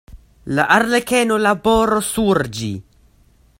La arlekeno laboros sur ĝi.